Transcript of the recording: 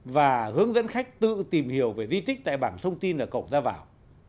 và hướng dẫn khách tự tìm hiểu về di tích tại bảng thông tin là cộng ra vào